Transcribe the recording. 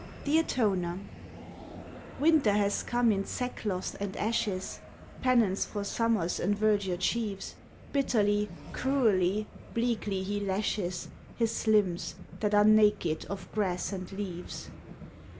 THE ATONER Winter has come in sackcloth and ashes (Penance for Summer's enverdured sheaves). Bitterly, cruelly, bleakly he lashes His limbs that are naked of grass and leaves.